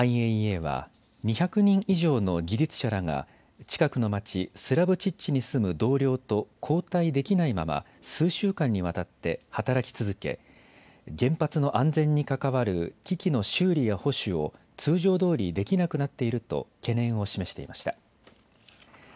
ＩＡＥＡは２００人以上の技術者らが近くの町、スラブチッチに住む同僚と交代できないまま数週間にわたって働き続け原発の安全に関わる機器の修理や保守を通常どおりできなくなっていると懸念を示していました。